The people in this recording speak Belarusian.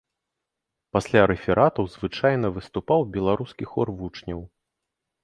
Пасля рэфератаў звычайна выступаў беларускі хор вучняў.